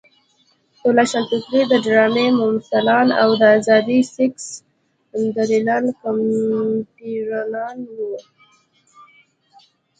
د روښانفکرۍ د ډرامې ممثلان او د ازاد سیکس دلالان کمپاینران وو.